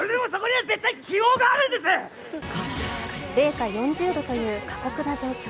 零下４０度という過酷な状況。